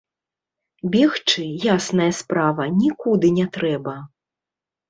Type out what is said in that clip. Бегчы, ясная справа, нікуды не трэба.